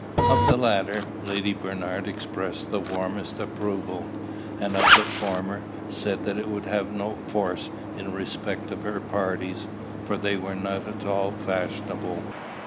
Of the latter, Lady Bernard expressed the warmest approval; and of the former, said that it would have no force in respect of her parties, for they were not at all fashionable.